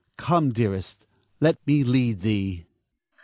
Come, dearest, let me lead thee.